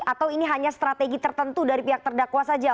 atau ini hanya strategi tertentu dari pihak terdakwa saja